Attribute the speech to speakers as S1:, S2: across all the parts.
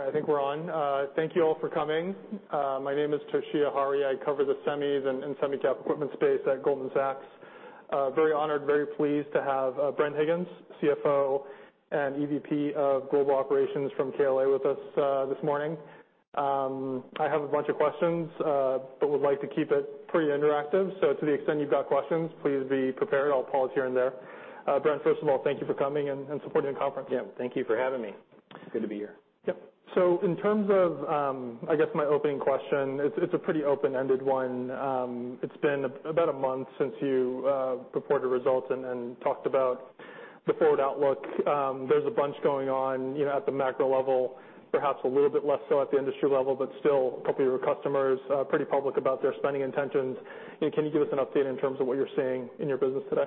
S1: Okay. All right, I think we're on. Thank you all for coming. My name is Toshiya Hari. I cover the semis and semi-cap equipment space at Goldman Sachs. Very honored, very pleased to have Bren Higgins, CFO and EVP of Global Operations from KLA with us this morning. I have a bunch of questions, but would like to keep it pretty interactive. To the extent you've got questions, please be prepared. I'll pause here and there. Bren, first of all, thank you for coming and supporting the conference.
S2: Yeah. Thank you for having me. It's good to be here.
S1: Yep. So in terms of, I guess my opening question, it's a pretty open-ended one. It's been about a month since you reported results and talked about the forward outlook. There's a bunch going on, you know, at the macro level, perhaps a little bit less so at the industry level, but still a couple of your customers pretty public about their spending intentions. Can you give us an update in terms of what you're seeing in your business today?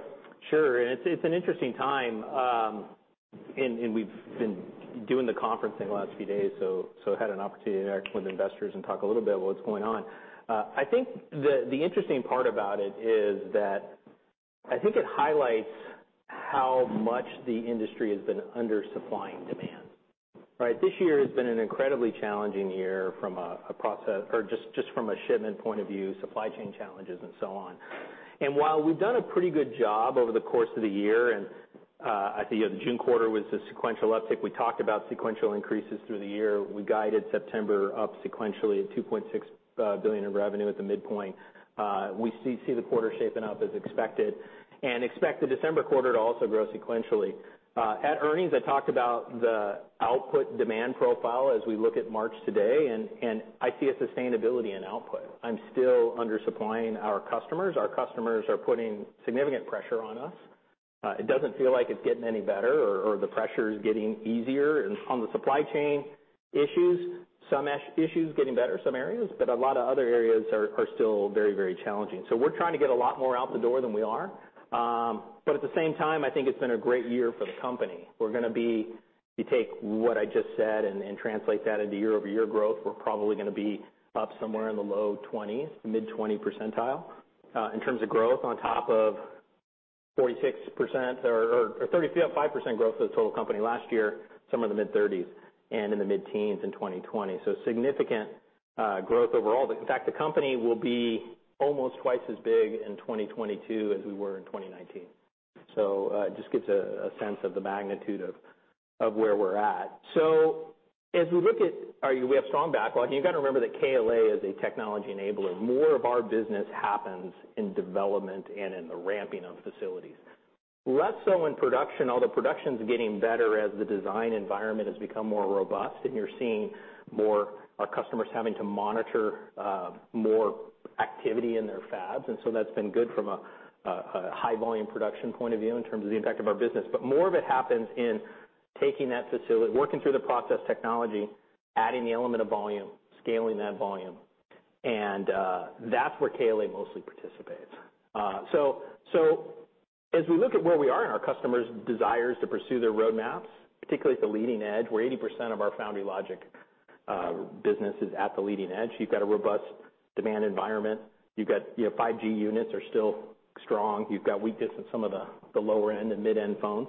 S2: Sure. It's an interesting time, and we've been doing the conference thing the last few days, so had an opportunity to interact with investors and talk a little bit about what's going on. I think the interesting part about it is that I think it highlights how much the industry has been under-supplying demand. Right? This year has been an incredibly challenging year from a process or just from a shipment point of view, supply chain challenges and so on. While we've done a pretty good job over the course of the year, and I think, you know, the June quarter was a sequential uptick, we talked about sequential increases through the year. We guided September up sequentially at $2.6 billion in revenue at the midpoint. We see the quarter shaping up as expected, and expect the December quarter to also grow sequentially. At earnings, I talked about the output demand profile as we look at March today, and I see a sustainability in output. I'm still under-supplying our customers. Our customers are putting significant pressure on us. It doesn't feel like it's getting any better or the pressure is getting easier. On the supply chain issues, some areas getting better, some areas, but a lot of other areas are still very challenging. We're trying to get a lot more out the door than we are. But at the same time, I think it's been a great year for the company. We're gonna be, if you take what I just said and translate that into year-over-year growth, we're probably gonna be up somewhere in the low 20s, mid-20s%, in terms of growth on top of 46% or 35% growth for the total company last year, somewhere in the mid-30s, and in the mid-teens in 2020. Significant growth overall. In fact, the company will be almost twice as big in 2022 as we were in 2019. It just gives a sense of the magnitude of where we're at. We have strong backlog, and you've got to remember that KLA is a technology enabler. More of our business happens in development and in the ramping of facilities. Less so in production, although production's getting better as the design environment has become more robust, and you're seeing more of our customers having to monitor more activity in their fabs. That's been good from a high-volume production point of view in terms of the impact of our business. More of it happens in working through the process technology, adding the element of volume, scaling that volume, and that's where KLA mostly participates. As we look at where we are and our customers' desires to pursue their roadmaps, particularly at the leading edge, where 80% of our foundry logic business is at the leading edge, you've got a robust demand environment. You've got, you know, 5G units are still strong. You've got weakness in some of the lower-end and mid-end phones.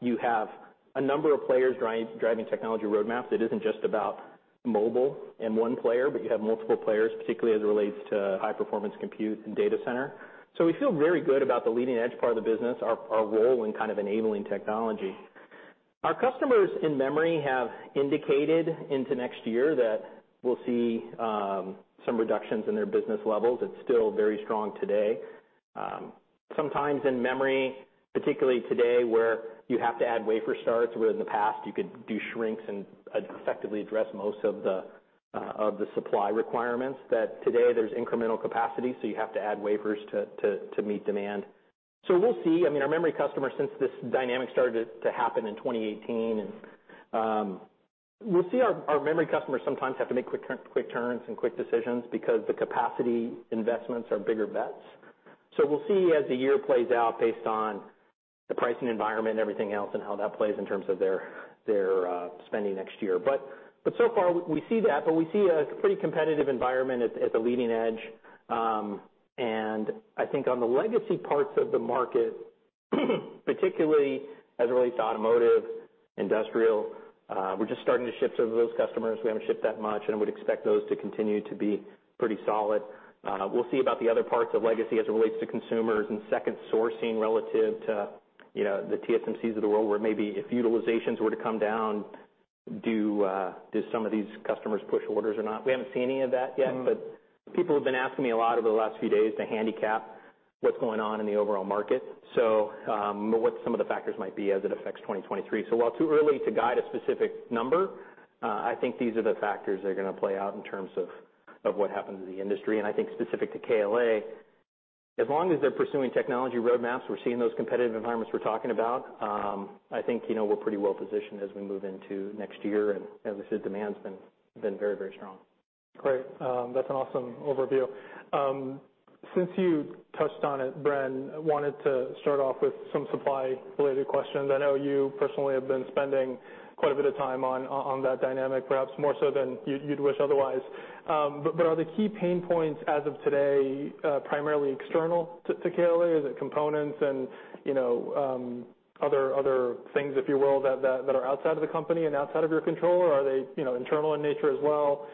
S2: You have a number of players driving technology roadmaps. It isn't just about mobile and one player, but you have multiple players, particularly as it relates to high-performance compute and data center. We feel very good about the leading edge part of the business, our role in kind of enabling technology. Our customers in memory have indicated into next year that we'll see some reductions in their business levels. It's still very strong today. Sometimes in memory, particularly today, where you have to add wafer starts, where in the past you could do shrinks and effectively address most of the supply requirements, that today there's incremental capacity, so you have to add wafers to meet demand. We'll see. I mean, our memory customers, since this dynamic started to happen in 2018, and we'll see our memory customers sometimes have to make quick turns and quick decisions because the capacity investments are bigger bets. We'll see as the year plays out based on the pricing environment and everything else and how that plays in terms of their spending next year. So far we see that, but we see a pretty competitive environment at the leading edge. I think on the legacy parts of the market, particularly as it relates to automotive, industrial, we're just starting to ship to those customers. We haven't shipped that much, and would expect those to continue to be pretty solid. We'll see about the other parts of legacy as it relates to consumers and second sourcing relative to, you know, the TSMCs of the world, where maybe if utilizations were to come down, do some of these customers push orders or not? We haven't seen any of that yet. People have been asking me a lot over the last few days to handicap what's going on in the overall market. What some of the factors might be as it affects 2023. While too early to guide a specific number, I think these are the factors that are gonna play out in terms of what happens in the industry. I think specific to KLA, as long as they're pursuing technology roadmaps, we're seeing those competitive environments we're talking about, I think, you know, we're pretty well positioned as we move into next year. As I said, demand's been very, very strong.
S1: Great. That's an awesome overview. Since you touched on it, Bren, I wanted to start off with some supply-related questions. I know you personally have been spending quite a bit of time on that dynamic, perhaps more so than you'd wish otherwise. Are the key pain points as of today primarily external to KLA? Is it components and, you know, other things, if you will, that are outside of the company and outside of your control? Are they, you know, internal in nature as well?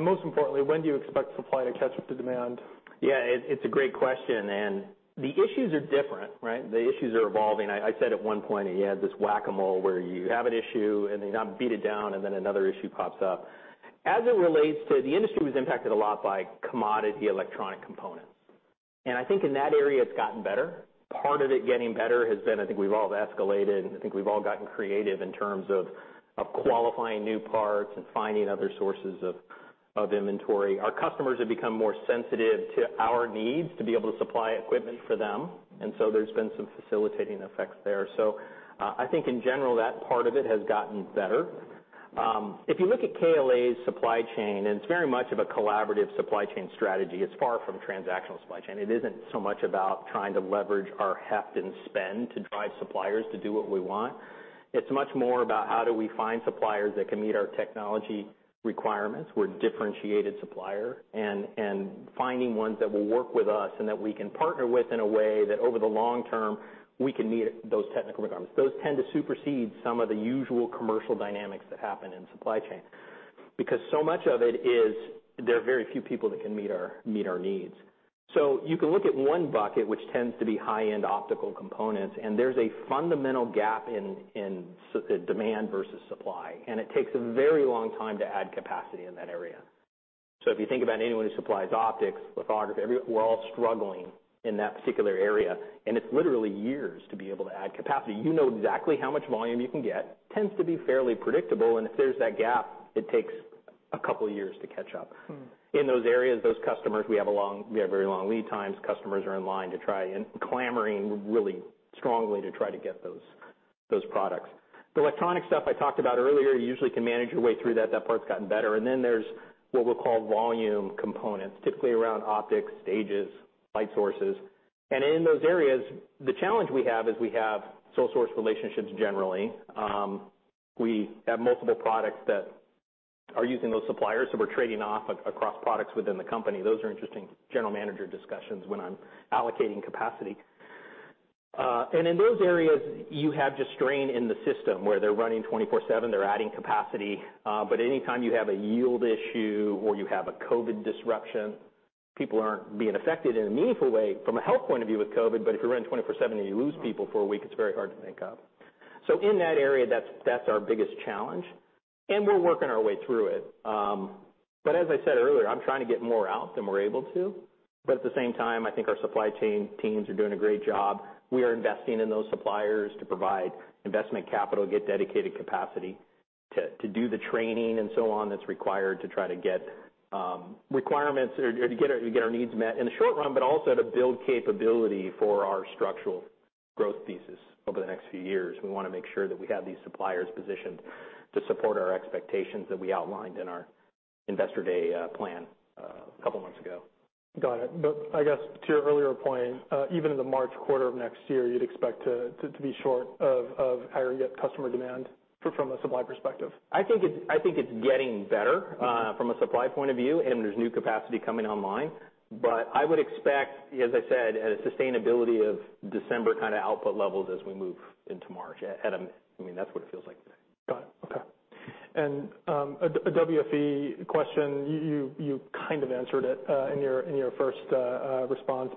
S1: Most importantly, when do you expect supply to catch up to demand?
S2: Yeah, it's a great question. The issues are different, right? The issues are evolving. I said at one point, you had this Whac-A-Mole, where you have an issue, and then you kind of beat it down, and then another issue pops up. As it relates to the industry was impacted a lot by commodity electronic components. I think in that area, it's gotten better. Part of it getting better has been, I think, we've all escalated, and I think we've all gotten creative in terms of qualifying new parts and finding other sources of inventory. Our customers have become more sensitive to our needs to be able to supply equipment for them. There's been some facilitating effects there. I think in general, that part of it has gotten better. If you look at KLA's supply chain, and it's very much of a collaborative supply chain strategy. It's far from transactional supply chain. It isn't so much about trying to leverage our heft and spend to drive suppliers to do what we want. It's much more about how do we find suppliers that can meet our technology requirements. We're a differentiated supplier. Finding ones that will work with us and that we can partner with in a way that over the long term, we can meet those technical requirements. Those tend to supersede some of the usual commercial dynamics that happen in supply chain. Because so much of it is there are very few people that can meet our needs. You can look at one bucket, which tends to be high-end optical components, and there's a fundamental gap in the demand versus supply, and it takes a very long time to add capacity in that area. If you think about anyone who supplies optics, lithography, we're all struggling in that particular area, and it's literally years to be able to add capacity. You know exactly how much volume you can get. Tends to be fairly predictable, and if there's that gap, it takes a couple years to catch up. In those areas, those customers, we have very long lead times. Customers are in line to try and clamoring really strongly to try to get those products. The electronic stuff I talked about earlier, you usually can manage your way through that part's gotten better. Then there's what we'll call volume components, typically around optics, stages, light sources. In those areas, the challenge we have is we have sole source relationships generally. We have multiple products that are using those suppliers, so we're trading off across products within the company. Those are interesting general manager discussions when I'm allocating capacity. In those areas, you have just strain in the system, where they're running 24/7, they're adding capacity, but anytime you have a yield issue or you have a COVID disruption, people aren't being affected in a meaningful way from a health point of view with COVID, but if you're running 24/7 and you lose people for a week, it's very hard to make up. In that area, that's our biggest challenge, and we're working our way through it. As I said earlier, I'm trying to get more out than we're able to. At the same time, I think our supply chain teams are doing a great job. We are investing in those suppliers to provide investment capital, get dedicated capacity to do the training and so on that's required to try to get requirements or to get our needs met in the short run, but also to build capability for our structural growth thesis over the next few years. We wanna make sure that we have these suppliers positioned to support our expectations that we outlined in our Investor Day plan a couple months ago.
S1: Got it. I guess to your earlier point, even in the March quarter of next year, you'd expect to be short of higher customer demand from a supply perspective?
S2: I think it's getting better from a supply point of view, and there's new capacity coming online. I would expect, as I said, a sustainability of December kind of output levels as we move into March. I mean, that's what it feels like today.
S1: Got it. Okay. A WFE question. You kind of answered it in your first response.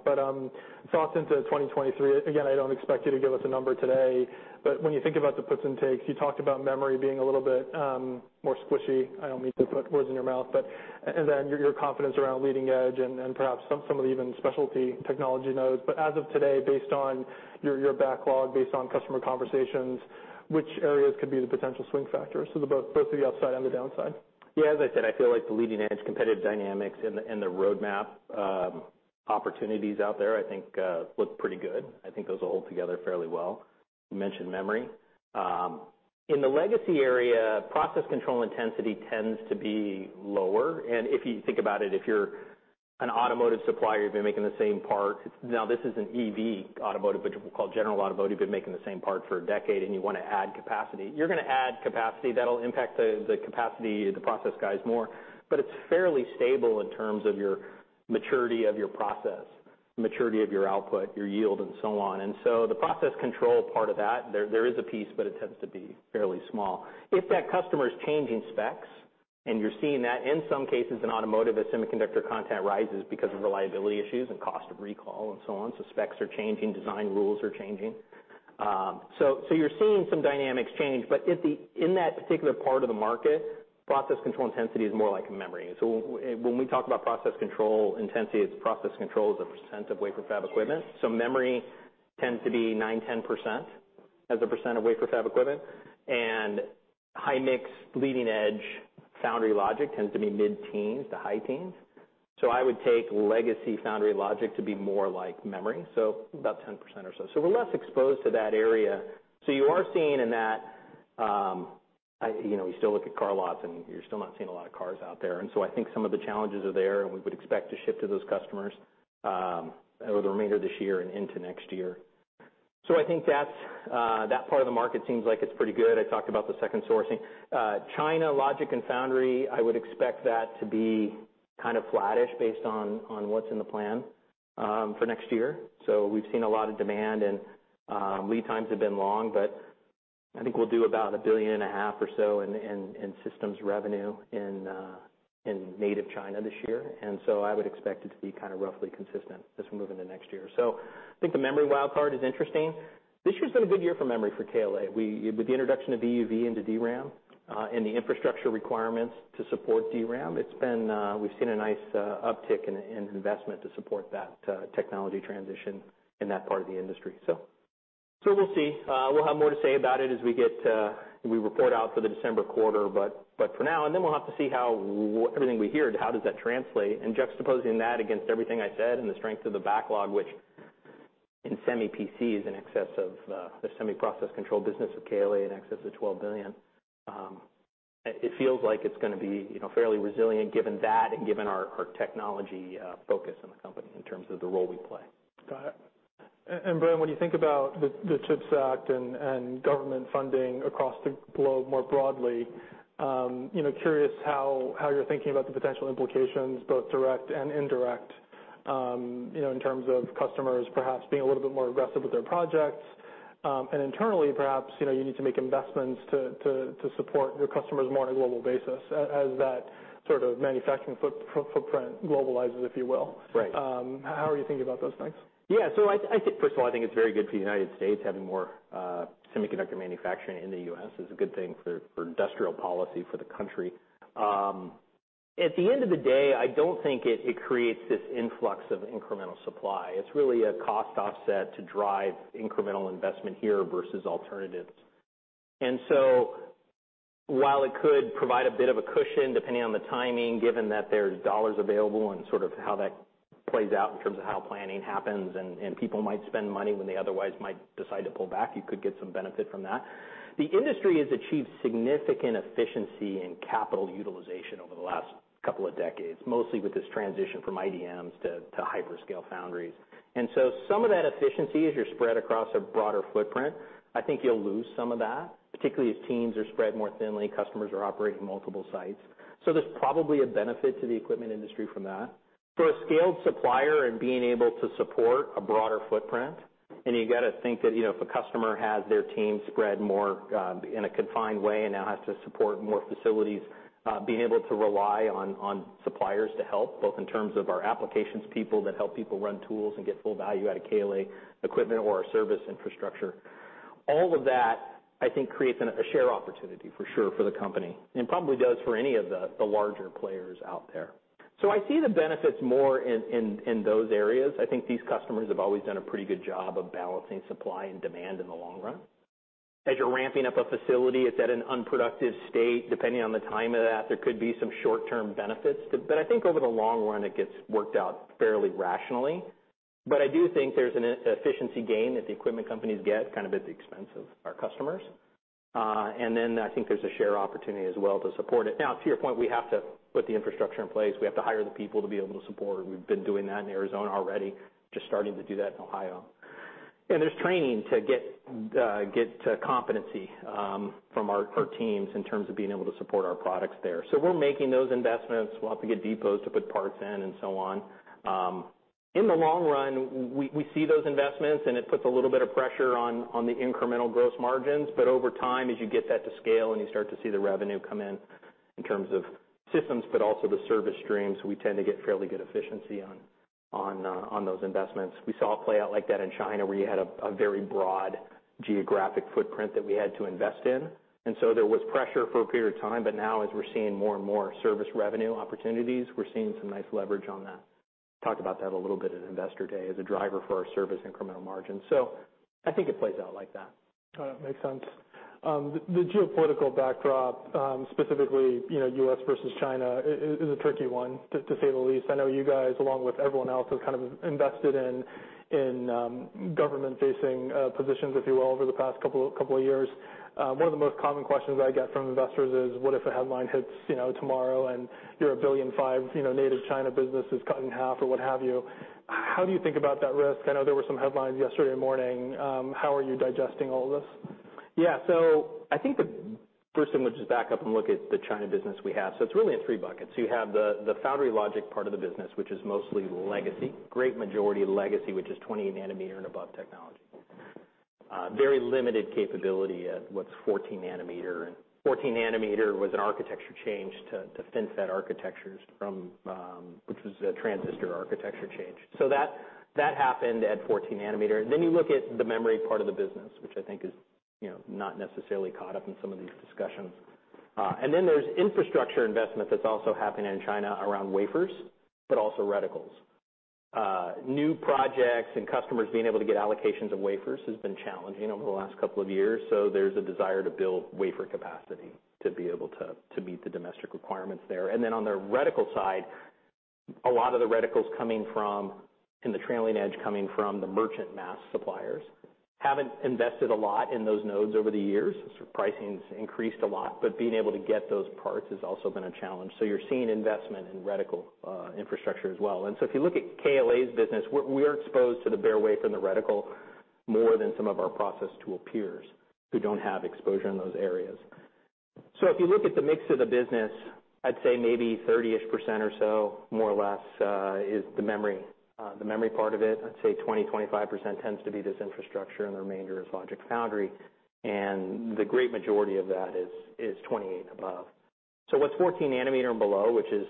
S1: Thoughts into 2023, again, I don't expect you to give us a number today, but when you think about the puts and takes, you talked about memory being a little bit more squishy. I don't mean to put words in your mouth, but then your confidence around leading edge and perhaps some of the even specialty technology nodes. As of today, based on your backlog, based on customer conversations, which areas could be the potential swing factors? Both to the upside and the downside.
S2: Yeah. As I said, I feel like the leading edge competitive dynamics and the roadmap opportunities out there, I think, look pretty good. I think those will hold together fairly well. You mentioned memory. In the legacy area, process control intensity tends to be lower. If you think about it, if you're an automotive supplier, you've been making the same part. Now, this is an EV automotive, which we'll call general automotive. You've been making the same part for a decade and you wanna add capacity. You're gonna add capacity. That'll impact the capacity, the process guys more. It's fairly stable in terms of your maturity of your process, maturity of your output, your yield, and so on. The process control part of that, there is a piece, but it tends to be fairly small. If that customer is changing specs, and you're seeing that in some cases in automotive, as semiconductor content rises because of reliability issues and cost of recall and so on. Specs are changing, design rules are changing. You're seeing some dynamics change. But in that particular part of the market, process control intensity is more like a memory. When we talk about process control intensity, it's process control as a percent of wafer fab equipment. Memory tends to be 9%, 10% as a percent of wafer fab equipment. High-mix leading edge foundry logic tends to be mid-teens to high teens. I would take legacy foundry logic to be more like memory, so about 10% or so. We're less exposed to that area. You are seeing in that. You know, you still look at car lots, and you're still not seeing a lot of cars out there. I think some of the challenges are there, and we would expect to ship to those customers over the remainder of this year and into next year. I think that's, that part of the market, seems like it's pretty good. I talked about the second sourcing. China logic and foundry, I would expect that to be kind of flattish based on what's in the plan for next year. We've seen a lot of demand, and lead times have been long, but I think we'll do about $1.5 billion or so in systems revenue in native China this year. I would expect it to be kind of roughly consistent as we move into next year. I think the memory wildcard is interesting. This year's been a good year for memory for KLA. With the introduction of EUV into DRAM, and the infrastructure requirements to support DRAM, it's been, we've seen a nice, uptick in investment to support that, technology transition in that part of the industry. We'll see. We'll have more to say about it as we get, we report out for the December quarter. For now, and then we'll have to see how everything we hear, how does that translate. Juxtaposing that against everything I said and the strength of the backlog, which in semi PC is in excess of the Semiconductor Process Control business with KLA in excess of $12 billion, it feels like it's gonna be, you know, fairly resilient given that and given our technology focus in the company in terms of the role we play.
S1: Got it. Bren, when you think about the CHIPS and Science Act and government funding across the globe more broadly, you know, curious how you're thinking about the potential implications, both direct and indirect, you know, in terms of customers perhaps being a little bit more aggressive with their projects. Internally, perhaps, you know, you need to make investments to support your customers more on a global basis as that sort of manufacturing footprint globalizes, if you will.
S2: Right.
S1: How are you thinking about those things?
S2: Yeah. I think first of all I think it's very good for the United States having more semiconductor manufacturing in the U.S. is a good thing for industrial policy for the country. At the end of the day I don't think it creates this influx of incremental supply. It's really a cost offset to drive incremental investment here versus alternatives. While it could provide a bit of a cushion depending on the timing given that there's dollars available and sort of how that plays out in terms of how planning happens, and people might spend money when they otherwise might decide to pull back, you could get some benefit from that. The industry has achieved significant efficiency and capital utilization over the last couple of decades, mostly with this transition from IDMs to hyperscale foundries. Some of that efficiency, as you're spread across a broader footprint, I think you'll lose some of that, particularly as teams are spread more thinly, customers are operating multiple sites. There's probably a benefit to the equipment industry from that. For a scaled supplier and being able to support a broader footprint, and you got to think that, you know, if a customer has their team spread more in a confined way and now has to support more facilities, being able to rely on suppliers to help, both in terms of our applications people that help people run tools and get full value out of KLA equipment or our service infrastructure, all of that, I think creates a share opportunity for sure for the company, and probably does for any of the larger players out there. I see the benefits more in those areas. I think these customers have always done a pretty good job of balancing supply and demand in the long run. As you're ramping up a facility, it's at an unproductive state. Depending on the time of that, there could be some short-term benefits. But I think over the long run, it gets worked out fairly rationally. But I do think there's an efficiency gain that the equipment companies get kind of at the expense of our customers. And then I think there's a share opportunity as well to support it. Now, to your point, we have to put the infrastructure in place. We have to hire the people to be able to support, and we've been doing that in Arizona already, just starting to do that in Ohio. There's training to get to competency from our teams in terms of being able to support our products there. We're making those investments. We'll have to get depots to put parts in and so on. In the long run, we see those investments, and it puts a little bit of pressure on the incremental gross margins, but over time, as you get that to scale and you start to see the revenue come in in terms of systems but also the service streams, we tend to get fairly good efficiency on those investments. We saw it play out like that in China, where you had a very broad geographic footprint that we had to invest in. There was pressure for a period of time, but now as we're seeing more and more service revenue opportunities, we're seeing some nice leverage on that. Talked about that a little bit at Investor Day as a driver for our service incremental margin. I think it plays out like that.
S1: Got it. Makes sense. The geopolitical backdrop, specifically, you know, U.S. versus China is a tricky one, to say the least. I know you guys, along with everyone else, have kind of invested in government-facing positions, if you will, over the past couple of years. One of the most common questions I get from investors is, what if a headline hits, you know, tomorrow and your $1.5 billion native China business is cut in half or what have you? How do you think about that risk? I know there were some headlines yesterday morning. How are you digesting all of this?
S2: Yeah. I think first I'm gonna just back up and look at the China business we have. It's really in three buckets. You have the foundry logic part of the business, which is mostly legacy, great majority legacy, which is 20 nm and above technology. Very limited capability at what's 14 nm. 14 nm was an architecture change to FinFET architectures from, which was a transistor architecture change. That happened at 14 nm. You look at the memory part of the business, which I think is, you know, not necessarily caught up in some of these discussions. And then there's infrastructure investment that's also happening in China around wafers, but also reticles. New projects and customers being able to get allocations of wafers has been challenging over the last couple of years, so there's a desire to build wafer capacity to be able to meet the domestic requirements there. On the reticle side, a lot of the reticles in the trailing edge coming from the merchant mask suppliers haven't invested a lot in those nodes over the years. Pricing's increased a lot, but being able to get those parts has also been a challenge. You're seeing investment in reticle infrastructure as well. If you look at KLA's business, we're exposed to the bare wafer and the reticle more than some of our process tool peers who don't have exposure in those areas. If you look at the mix of the business, I'd say maybe 30-ish% or so, more or less, is the memory part of it. I'd say 20%-25% tends to be this infrastructure, and the remainder is logic foundry. The great majority of that is 28 nm and above. What's 14 nm and below, which is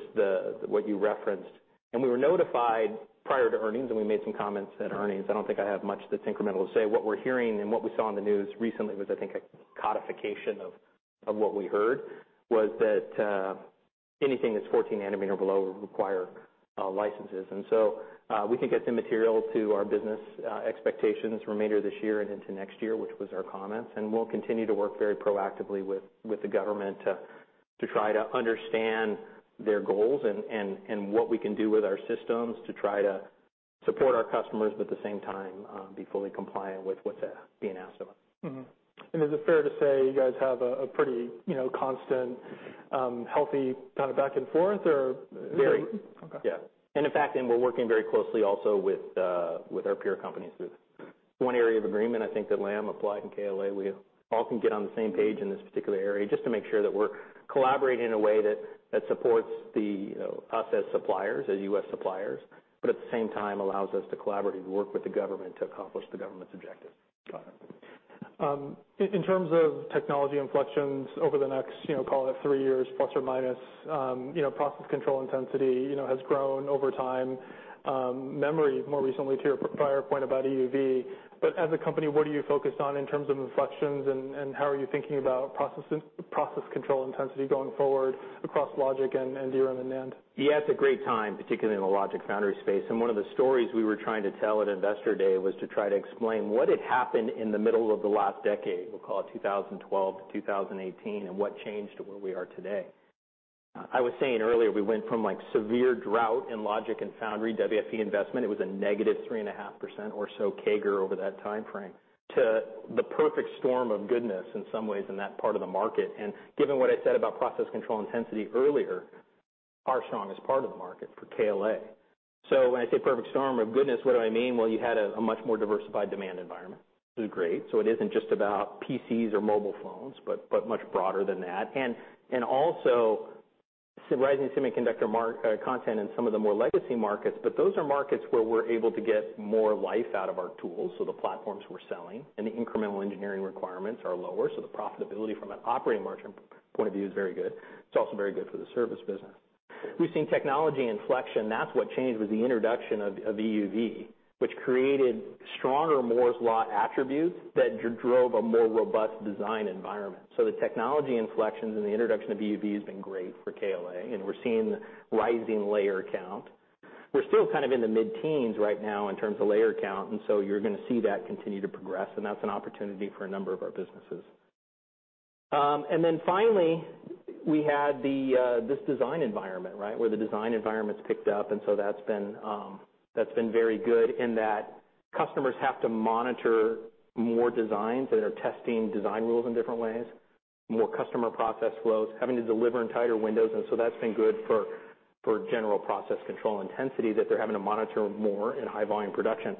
S2: what you referenced, and we were notified prior to earnings, and we made some comments at earnings. I don't think I have much that's incremental to say. What we're hearing and what we saw in the news recently was I think a codification of what we heard was that anything that's 14 nm and below would require licenses. We can get the material to our business expectations remainder of this year and into next year, which was our comments, and we'll continue to work very proactively with the government to try to understand their goals and what we can do with our systems to try to support our customers, but at the same time, be fully compliant with what's being asked of us.
S1: Mm-hmm. Is it fair to say you guys have a pretty, you know, constant, healthy kind of back and forth or-
S2: Very.
S1: Okay.
S2: In fact, we're working very closely also with our peer companies. One area of agreement, I think that Lam, Applied, and KLA, we all can get on the same page in this particular area just to make sure that we're collaborating in a way that supports the, you know, us as suppliers, as U.S. suppliers, but at the same time allows us to collaboratively work with the government to accomplish the government's objective.
S1: Got it. In terms of technology inflections over the next, you know, call it three years plus or minus, you know, process control intensity, you know, has grown over time, memory more recently to your prior point about EUV, but as a company, what are you focused on in terms of inflections, and how are you thinking about process control intensity going forward across logic and DRAM and NAND?
S2: Yeah, it's a great time, particularly in the logic foundry space. One of the stories we were trying to tell at Investor Day was to try to explain what had happened in the middle of the last decade, we'll call it 2012 to 2018, and what changed to where we are today. I was saying earlier, we went from, like, severe drought in logic and foundry WFE investment, it was a -3.5% or so CAGR over that timeframe, to the perfect storm of goodness in some ways in that part of the market. Given what I said about process control intensity earlier, our strongest part of the market for KLA. When I say perfect storm of goodness, what do I mean? Well, you had a much more diversified demand environment. This is great. It isn't just about PCs or mobile phones, but much broader than that. Also rising semiconductor content in some of the more legacy markets, but those are markets where we're able to get more life out of our tools, so the platforms we're selling, and the incremental engineering requirements are lower, so the profitability from an operating margin point of view is very good. It's also very good for the service business. We've seen technology inflection. That's what changed, was the introduction of EUV, which created stronger Moore's Law attributes that drove a more robust design environment. The technology inflections and the introduction of EUV has been great for KLA, and we're seeing rising layer count. We're still kind of in the mid-teens right now in terms of layer count, and so you're gonna see that continue to progress, and that's an opportunity for a number of our businesses. Finally, we had this design environment, right? Where the design environment's picked up, and so that's been very good in that customers have to monitor more designs that are testing design rules in different ways, more customer process flows, having to deliver in tighter windows, and so that's been good for general process control intensity that they're having to monitor more in high volume production.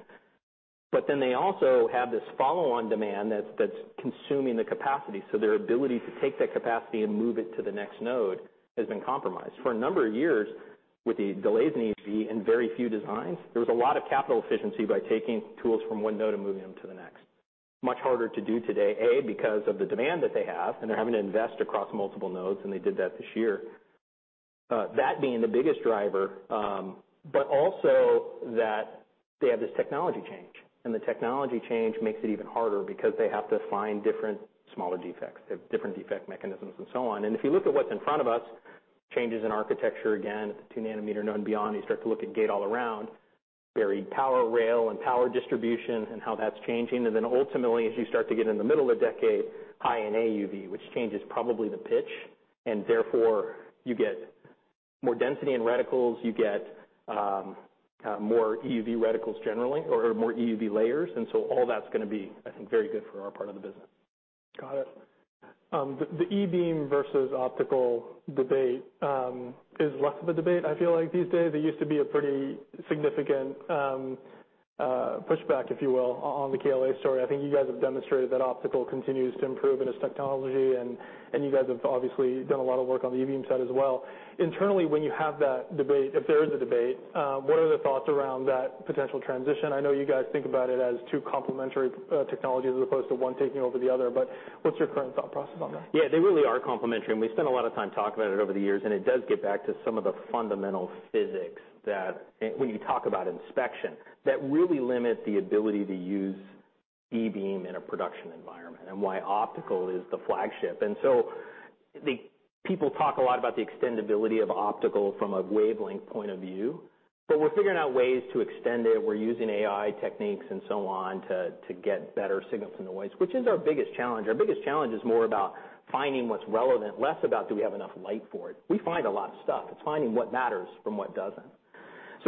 S2: They also have this follow-on demand that's consuming the capacity, so their ability to take that capacity and move it to the next node has been compromised. For a number of years, with the delays in EUV and very few designs, there was a lot of capital efficiency by taking tools from 1 node and moving them to the next. Much harder to do today because of the demand that they have, and they're having to invest across multiple nodes, and they did that this year. That being the biggest driver, but also that they have this technology change, and the technology change makes it even harder because they have to find different smaller defects. They have different defect mechanisms and so on. If you look at what's in front of us, changes in architecture again at the 2 nm node and beyond, you start to look at gate all around, buried power rail and power distribution and how that's changing. Ultimately, as you start to get in the middle of the decade, High-NA EUV, which changes probably the pitch, and therefore you get more density in reticles, you get more EUV reticles generally or more EUV layers. All that's gonna be, I think, very good for our part of the business.
S1: Got it. The E-beam versus optical debate is less of a debate, I feel like, these days. It used to be a pretty significant pushback, if you will, on the KLA story. I think you guys have demonstrated that optical continues to improve in its technology, and you guys have obviously done a lot of work on the E-beam side as well. Internally, when you have that debate, if there is a debate, what are the thoughts around that potential transition? I know you guys think about it as two complementary technologies as opposed to one taking over the other, but what's your current thought process on that?
S2: Yeah, they really are complementary, and we've spent a lot of time talking about it over the years, and it does get back to some of the fundamental physics that when you talk about inspection really limit the ability to use e-beam in a production environment and why optical is the flagship. People talk a lot about the extendibility of optical from a wavelength point of view. We're figuring out ways to extend it. We're using AI techniques and so on to get better signal from the noise, which is our biggest challenge. Our biggest challenge is more about finding what's relevant, less about do we have enough light for it. We find a lot of stuff. It's finding what matters from what doesn't.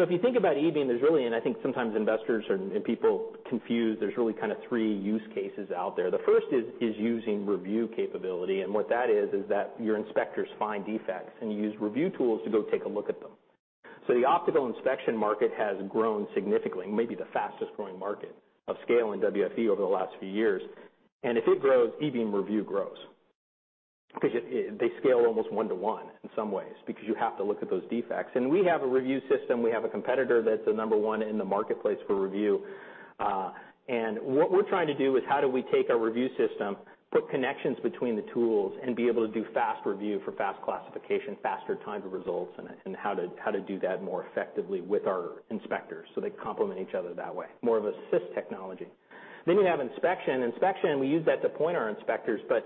S2: If you think about E-beam, there's really, and I think sometimes investors are, and people confuse, there's really kind of three use cases out there. The first is using review capability, and what that is that your inspectors find defects, and you use review tools to go take a look at them. The optical inspection market has grown significantly, maybe the fastest-growing market of scale in WFE over the last few years. If it grows, E-beam review grows. They scale almost 1:1 in some ways because you have to look at those defects. We have a review system. We have a competitor that's the number one in the marketplace for review. What we're trying to do is how do we take our review system, put connections between the tools, and be able to do fast review for fast classification, faster time to results, and how to do that more effectively with our inspectors so they complement each other that way. More of assist technology. You have inspection. Inspection, we use that to point our inspectors, but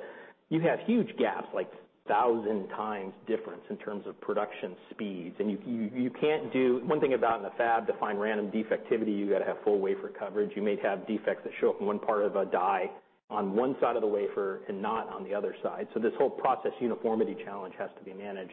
S2: you have huge gaps, like thousand times difference in terms of production speeds. You can't do one thing about in the fab, to find random defectivity, you gotta have full wafer coverage. You may have defects that show up in one part of a die on one side of the wafer and not on the other side. This whole process uniformity challenge has to be managed.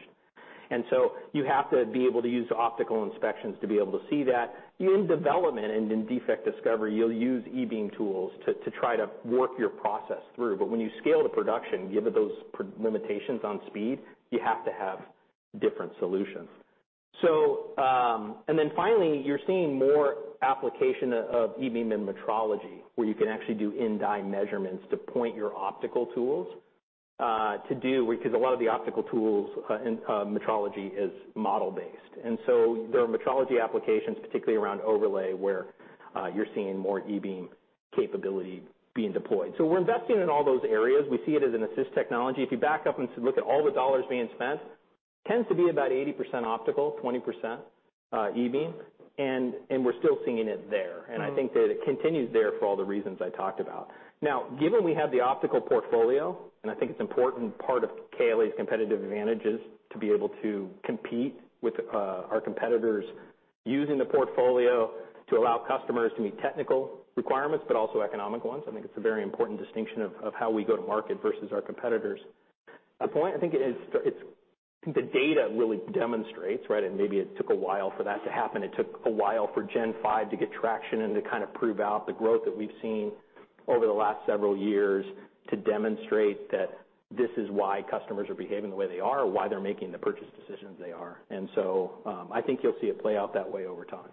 S2: You have to be able to use optical inspections to be able to see that. In development and in defect discovery, you'll use E-beam tools to try to work your process through. When you scale to production, given those limitations on speed, you have to have different solutions. You're seeing more application of E-beam in metrology, where you can actually do in-die measurements to point your optical tools because a lot of the optical tools in metrology is model based. There are metrology applications, particularly around overlay, where you're seeing more E-beam capability being deployed. We're investing in all those areas. We see it as an assist technology. If you back up and look at all the dollars being spent, tends to be about 80% optical, 20% E-beam, and we're still seeing it there. I think that it continues there for all the reasons I talked about. Now, given we have the optical portfolio, and I think it's important part of KLA's competitive advantages to be able to compete with our competitors using the portfolio to allow customers to meet technical requirements but also economic ones. I think it's a very important distinction of how we go to market versus our competitors. A point I think it is, it's the data really demonstrates, right? Maybe it took a while for that to happen. It took a while for Gen5 to get traction and to kind of prove out the growth that we've seen over the last several years to demonstrate that this is why customers are behaving the way they are, why they're making the purchase decisions they are. I think you'll see it play out that way over time.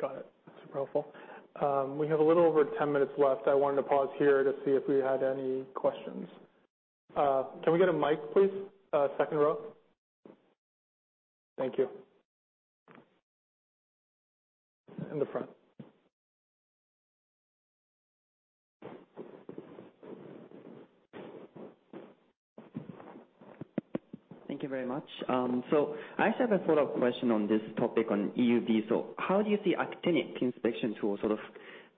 S1: Got it. Super helpful. We have a little over 10 minutes left. I wanted to pause here to see if we had any questions. Can we get a mic, please? Second row. Thank you. In the front.
S3: Thank you very much. I actually have a follow-up question on this topic on EUV. How do you see a Teron inspection tool sort of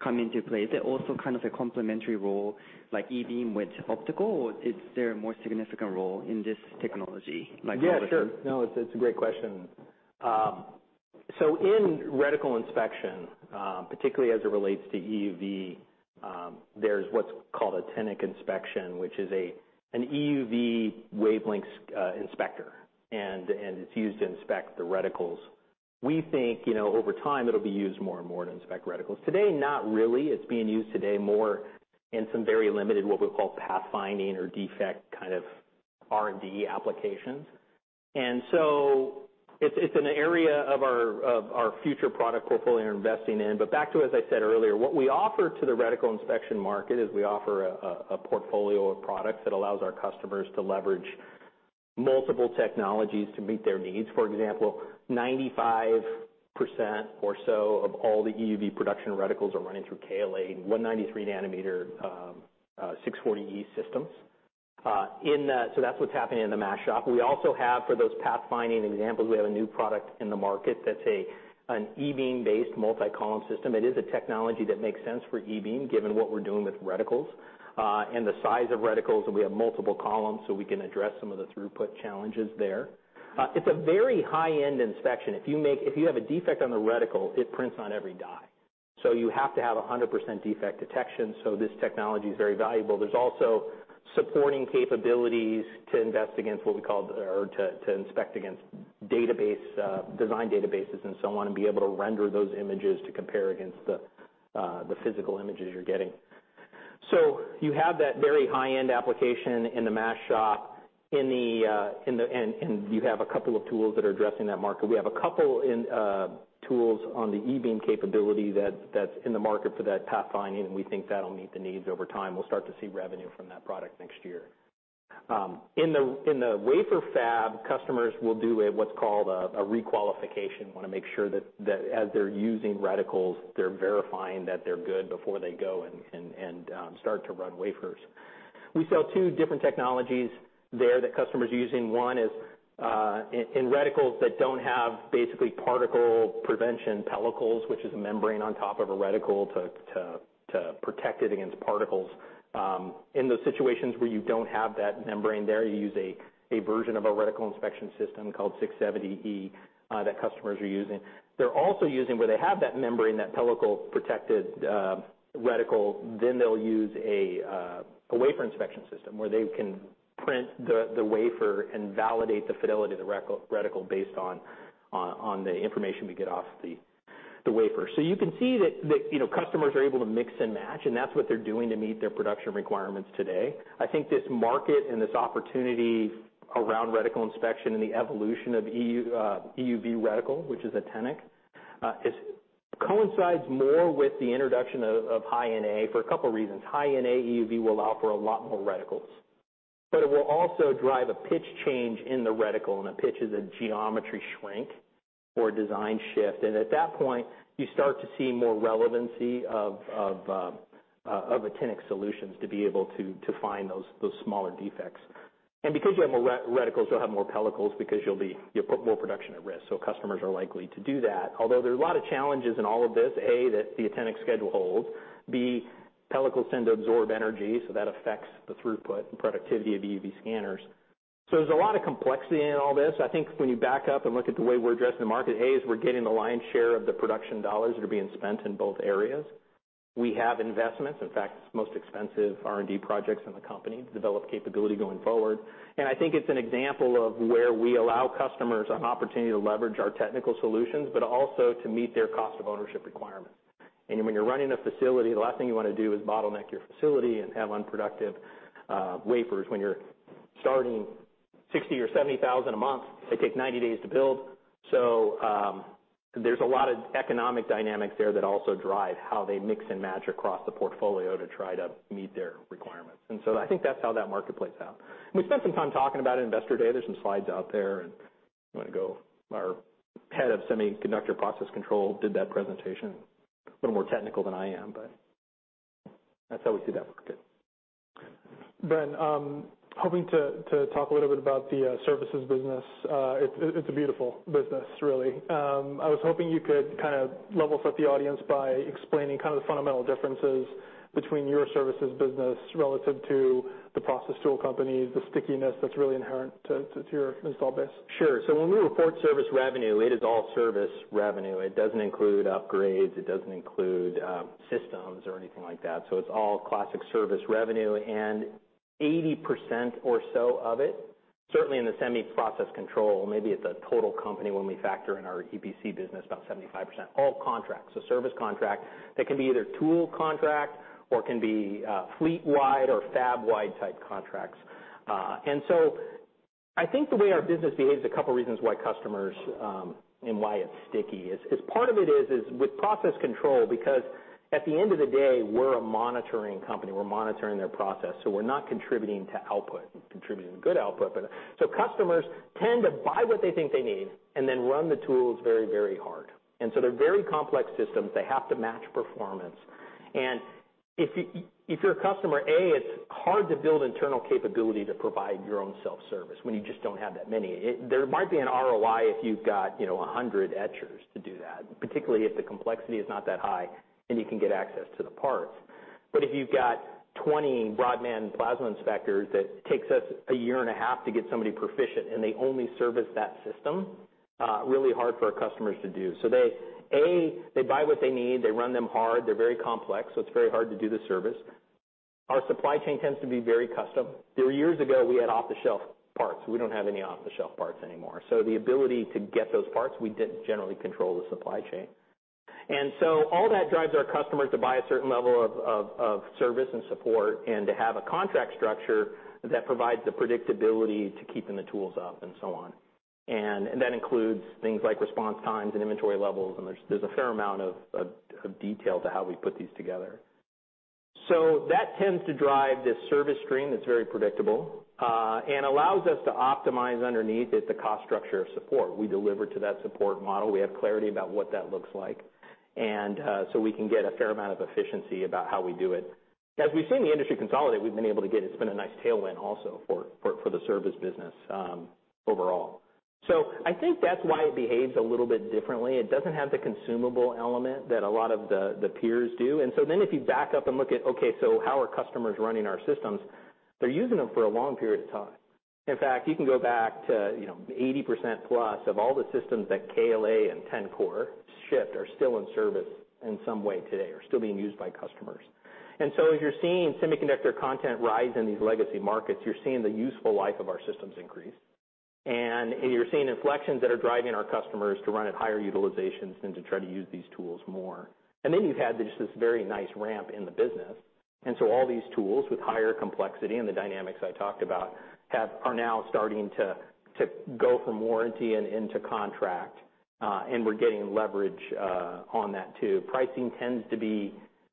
S3: come into play? Is it also kind of a complementary role like e-beam with optical, or is there a more significant role in this technology like?
S2: Yeah, sure. No, it's a great question. In Reticle Inspection, particularly as it relates to EUV, there's what's called an actinic inspection, which is an EUV wavelength inspector, and it's used to inspect the reticles. We think, you know, over time, it'll be used more and more to inspect reticles. Today, not really. It's being used today more in some very limited, what we call pathfinding or defect kind of R&D applications. It's an area of our future product portfolio we're investing in. Back to, as I said earlier, what we offer to the Reticle Inspection market is we offer a portfolio of products that allows our customers to leverage multiple technologies to meet their needs. For example, 95% or so of all the EUV production reticles are running through KLA 193 nm 640e systems. That's what's happening in the mask shop. We also have for those pathfinding examples, a new product in the market that's an e-beam based multi-column system. It is a technology that makes sense for e-beam given what we're doing with reticles, and the size of reticles, and we have multiple columns, so we can address some of the throughput challenges there. It's a very high-end inspection. If you have a defect on the reticle, it prints on every die. You have to have 100% defect detection, so this technology is very valuable. There's also supporting capabilities to inspect against what we call design databases and so on, and be able to render those images to compare against the physical images you're getting. You have that very high-end application in the mask shop. You have a couple of tools that are addressing that market. We have a couple of tools on the e-beam capability that's in the market for that pathfinding, and we think that'll meet the needs over time. We'll start to see revenue from that product next year. In the wafer fab, customers will do what's called a requalification, wanna make sure that as they're using reticles, they're verifying that they're good before they go and start to run wafers. We sell two different technologies there that customers are using. One is in reticles that don't have basically particle prevention pellicles, which is a membrane on top of a reticle to protect it against particles. In those situations where you don't have that membrane there, you use a version of a Reticle Inspection System called 670e that customers are using. They're also using where they have that membrane, that pellicle-protected reticle, then they'll use a wafer inspection system where they can print the wafer and validate the fidelity of the reticle based on the information we get off the wafer. You can see that you know customers are able to mix and match, and that's what they're doing to meet their production requirements today. I think this market and this opportunity around Reticle Inspection and the evolution of EUV reticle, which is actinic, it coincides more with the introduction of high NA for a couple reasons. High-NA EUV will allow for a lot more reticles, but it will also drive a pitch change in the reticle. A pitch is a geometry shrink or design shift, and at that point, you start to see more relevancy of actinic solutions to be able to find those smaller defects. Because you have more reticles, you'll have more pellicles because you'll put more production at risk, so customers are likely to do that. Although there are a lot of challenges in all of this. A, that the actinic schedule holds. B, pellicles tend to absorb energy, so that affects the throughput and productivity of EUV scanners. There's a lot of complexity in all this. I think when you back up and look at the way we're addressing the market, A, we're getting the lion's share of the production dollars that are being spent in both areas. We have investments, in fact, it's the most expensive R&D projects in the company to develop capability going forward. I think it's an example of where we allow customers an opportunity to leverage our technical solutions, but also to meet their cost of ownership requirements. When you're running a facility, the last thing you wanna do is bottleneck your facility and have unproductive wafers when you're starting 60,000 or 70,000 a month. They take 90 days to build. There's a lot of economic dynamics there that also drive how they mix and match across the portfolio to try to meet their requirements. I think that's how that market plays out. We spent some time talking about it in Investor Day. There's some slides out there, and if you wanna go, our Head of Semiconductor Process Control did that presentation. A little more technical than I am, but that's how we see that working.
S1: Bren, hoping to talk a little bit about the services business. It's a beautiful business, really. I was hoping you could kind of level set the audience by explaining kind of the fundamental differences between your services business relative to the process tool companies, the stickiness that's really inherent to your install base.
S2: Sure. When we report service revenue, it is all service revenue. It doesn't include upgrades. It doesn't include systems or anything like that, so it's all classic service revenue, and 80% or so of it, certainly in the Semiconductor Process Control, maybe it's a total company when we factor in our EPC business, about 75%, all contracts. Service contract that can be either tool contract or can be fleet-wide or fab-wide type contracts. I think the way our business behaves, a couple reasons why customers and why it's sticky is part of it with process control, because at the end of the day, we're a monitoring company. We're monitoring their process, so we're not contributing to output, contributing to good output, but... Customers tend to buy what they think they need and then run the tools very, very hard. They're very complex systems. They have to match performance. If you're a customer, it's hard to build internal capability to provide your own self-service when you just don't have that many. There might be an ROI if you've got, you know, 100 etchers to do that, particularly if the complexity is not that high and you can get access to the parts. But if you've got 20 broadband plasma inspectors, that takes us a year and a half to get somebody proficient, and they only service that system, really hard for our customers to do. They buy what they need, they run them hard, they're very complex, so it's very hard to do the service. Our supply chain tends to be very custom. There were years ago we had off-the-shelf parts. We don't have any off-the-shelf parts anymore. The ability to get those parts, we did generally control the supply chain. All that drives our customers to buy a certain level of service and support and to have a contract structure that provides the predictability to keeping the tools up and so on. That includes things like response times and inventory levels, and there's a fair amount of detail to how we put these together. That tends to drive this service stream that's very predictable, and allows us to optimize underneath it the cost structure of support we deliver to that support model. We have clarity about what that looks like, and so we can get a fair amount of efficiency about how we do it. As we've seen the industry consolidate, we've been able to get. It's been a nice tailwind also for the service business overall. I think that's why it behaves a little bit differently. It doesn't have the consumable element that a lot of the peers do. If you back up and look at how are customers running our systems? They're using them for a long period of time. In fact, you can go back to 80%+ of all the systems that KLA and Tencor shipped are still in service in some way today and are still being used by customers. As you're seeing semiconductor content rise in these legacy markets, you're seeing the useful life of our systems increase. You're seeing inflections that are driving our customers to run at higher utilizations and to try to use these tools more. Then you've had just this very nice ramp in the business. All these tools with higher complexity and the dynamics I talked about are now starting to go from warranty and into contract, and we're getting leverage on that too. Pricing tends to be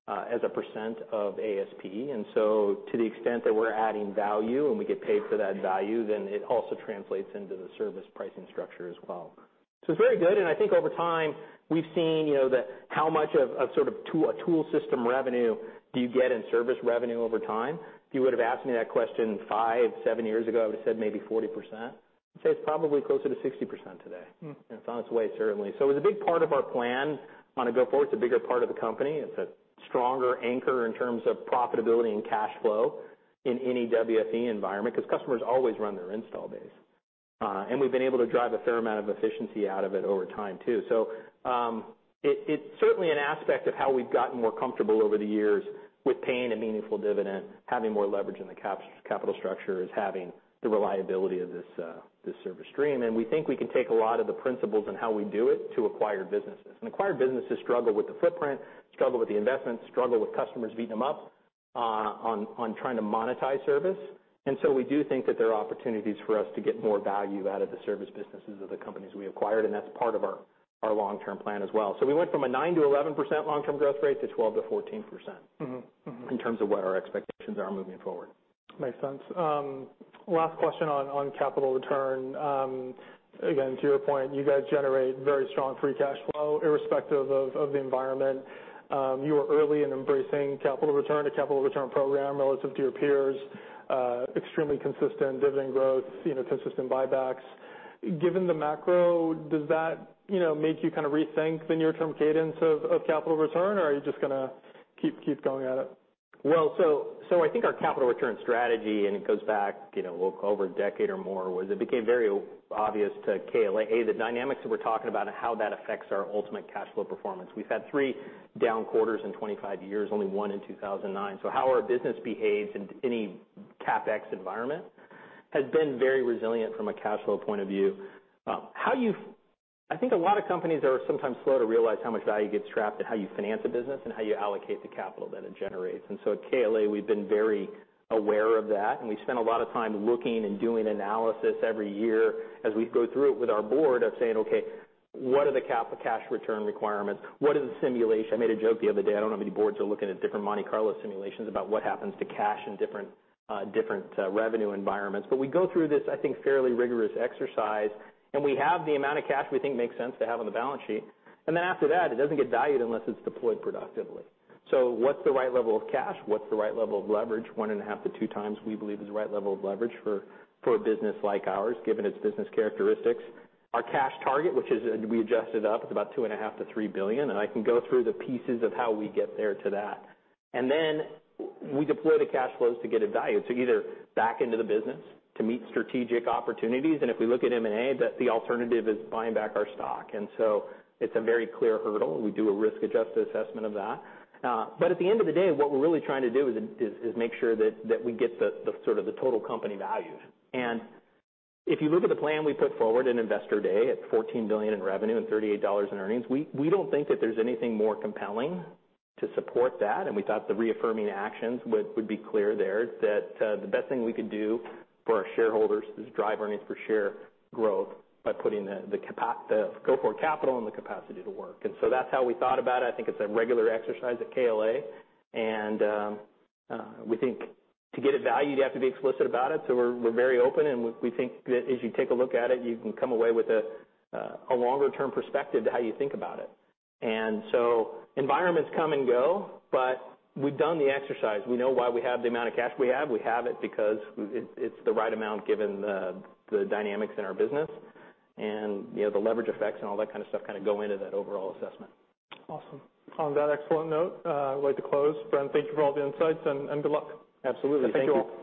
S2: as a percent of ASP. To the extent that we're adding value and we get paid for that value, then it also translates into the service pricing structure as well. It's very good, and I think over time, we've seen, you know, how much of sort of tool system revenue do you get in service revenue over time. If you would've asked me that question five, seven years ago, I would've said maybe 40%. It's probably closer to 60% today. It's on its way, certainly. It was a big part of our plan on a go forward. It's a bigger part of the company. It's a stronger anchor in terms of profitability and cash flow in any WFE environment, 'cause customers always run their install base. We've been able to drive a fair amount of efficiency out of it over time too. It's certainly an aspect of how we've gotten more comfortable over the years with paying a meaningful dividend, having more leverage in the capital structure, is having the reliability of this service stream. We think we can take a lot of the principles in how we do it to acquire businesses. Acquired businesses struggle with the footprint, struggle with the investments, struggle with customers beating them up on trying to monetize service. We do think that there are opportunities for us to get more value out of the service businesses of the companies we acquired, and that's part of our long-term plan as well. We went from a 9%-11% long-term growth rate to 12%-14%. In terms of what our expectations are moving forward.
S1: Makes sense. Last question on capital return. Again, to your point, you guys generate very strong free cash flow irrespective of the environment. You were early in embracing capital return, a capital return program relative to your peers. Extremely consistent dividend growth, you know, consistent buybacks. Given the macro, does that, you know, make you kinda rethink the near-term cadence of capital return, or are you just gonna keep going at it?
S2: I think our capital return strategy, and it goes back, you know, a little over a decade or more, was it became very obvious to KLA, A, the dynamics that we're talking about and how that affects our ultimate cash flow performance. We've had three down quarters in 25 years, only one in 2009. How our business behaves in any CapEx environment has been very resilient from a cash flow point of view. I think a lot of companies are sometimes slow to realize how much value gets trapped in how you finance a business and how you allocate the capital that it generates. At KLA, we've been very aware of that, and we spend a lot of time looking and doing analysis every year as we go through it with our board, and saying, "Okay, what are the capital cash return requirements? What are the simulations?" I made a joke the other day. I don't know how many boards are looking at different Monte Carlo simulations about what happens to cash in different revenue environments. We go through this, I think, fairly rigorous exercise, and we have the amount of cash we think makes sense to have on the balance sheet. Then after that, it doesn't get valued unless it's deployed productively. What's the right level of cash? What's the right level of leverage? 1.5x-2x, we believe, is the right level of leverage for a business like ours, given its business characteristics. Our cash target, which is, we adjusted up, it's about $2.5 billion-$3 billion, and I can go through the pieces of how we get there to that. We deploy the cash flows to get a value, to either back into the business to meet strategic opportunities, and if we look at M&A, the alternative is buying back our stock. It's a very clear hurdle. We do a risk-adjusted assessment of that. At the end of the day, what we're really trying to do is make sure that we get the sort of the total company value. If you look at the plan we put forward in Investor Day at $14 billion in revenue and $38 in earnings, we don't think that there's anything more compelling to support that, and we thought the reaffirming actions would be clear there. The best thing we could do for our shareholders is drive earnings per share growth by putting the go-forward capital and the capacity to work. That's how we thought about it. I think it's a regular exercise at KLA. We think to get it valued, you have to be explicit about it, so we're very open, and we think that as you take a look at it, you can come away with a longer-term perspective to how you think about it. Environments come and go, but we've done the exercise. We know why we have the amount of cash we have. We have it because it's the right amount given the dynamics in our business. You know, the leverage effects and all that kind of stuff kinda go into that overall assessment.
S1: Awesome. On that excellent note, I'd like to close. Bren, thank you for all the insights, and good luck.
S2: Absolutely. Thank you.
S1: Thank you all.